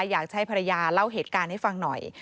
อยากให้ภรรยาเล่าเหตุการณ์ให้ฟังหน่อย